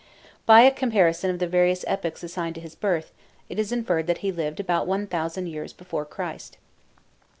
By a comparison of the various epochs assigned to his birth, it is inferred that he lived about one thousand years before Christ.